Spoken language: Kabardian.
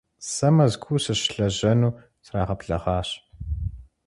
Сэ Мэзкуу сыщылэжьэну срагъэблэгъащ.